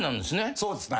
そうですね。